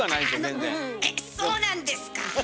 えっそうなんですか？